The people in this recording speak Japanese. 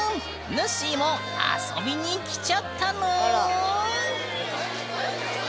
ぬっしーも遊びに来ちゃったぬん！